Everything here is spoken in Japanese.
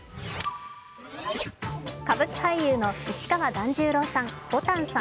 歌舞伎俳優の市川團十郎さん、市川ぼたんさん